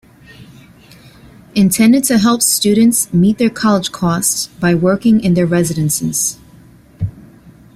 Intended to help students meet their college costs by working in their residences.